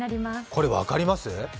これ分かります？